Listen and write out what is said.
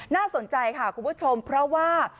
น่าสนใจค่ะคุณผู้ชมเพราะว่า